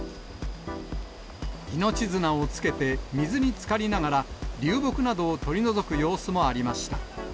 命綱をつけて、水につかりながら、流木などを取り除く様子もありました。